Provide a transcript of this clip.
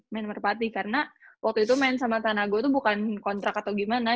main merpati karena waktu itu main sama tanahgo itu bukan kontrak atau gimana